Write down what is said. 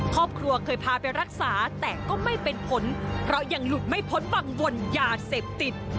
ครอบครัวเคยพาไปรักษาแต่ก็ไม่เป็นผลเพราะยังหลุดไม่พ้นวังวลยาเสพติด